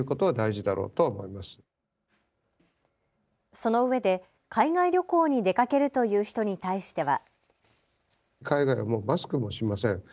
そのうえで海外旅行に出かけるという人に対しては。